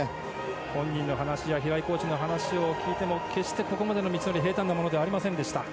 本人の話では平井コーチの話を聞いても決してここまでの道のりは平たんなものではありませんでした。